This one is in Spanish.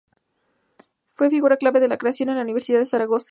Fue figura clave en la creación de la Universidad de Zaragoza.